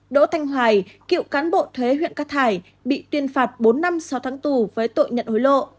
đỗ thanh hoài cựu cán bộ thuế huyện cát hải bị tuyên phạt bốn năm sáu tháng tù với tội nhận hối lộ